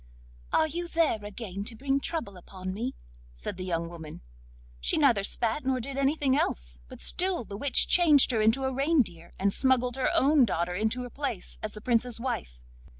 'Are you there again to bring trouble upon me?' said the young woman. She neither spat nor did anything else, but still the witch changed her into a reindeer, and smuggled her own daughter into her place as the Prince's wife.